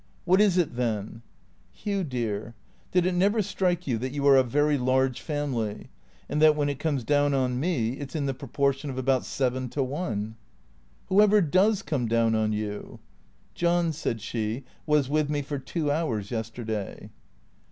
" What is it then ?"" Hugh dear, did it never strike you that you are a very large family ? And that when it comes down on me it 's in the pro portion of about seven to one ?"" \\nioever docs come down on you ?"" John," said she, " was with me for two hours yesterday."